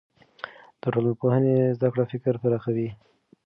د ټولنپوهنې زده کړه فکر پراخوي.